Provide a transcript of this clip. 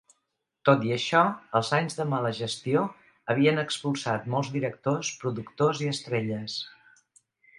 Tot i això, els anys de mala gestió havien expulsat molts directors, productors i estrelles.